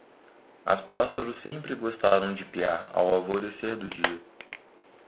as pássaros sempre gostaram de piar ao alvorecer do dia